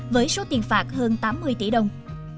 với số tiền phạt hơn tám mươi tỷ đồng